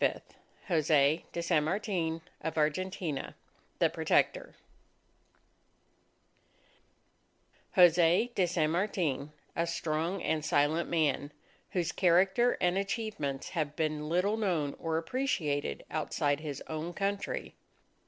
_ FEBRUARY 25 JOSE DE SAN MARTIN OF ARGENTINA THE PROTECTOR _Jose de San Martin, a strong and silent man, whose character and achievements have been little known or appreciated outside his own country